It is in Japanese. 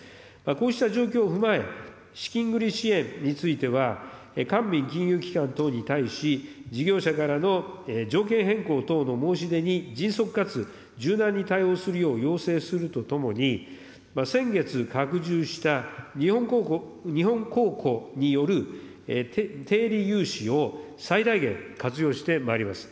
こうした状況を踏まえ、資金繰り支援については、官民金融機関等に対し、事業者からの条件変更等の申し出に迅速かつ柔軟に対応するよう要請するとともに、先月拡充した日本公庫による低利融資を最大限、活用してまいります。